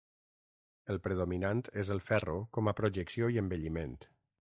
El predominant és el ferro com a projecció i embelliment.